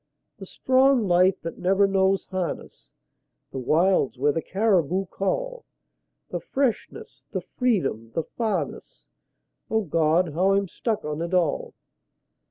The strong life that never knows harness; The wilds where the caribou call; The freshness, the freedom, the farness O God! how I'm stuck on it all.